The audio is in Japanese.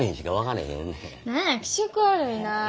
何や気色悪いなあ。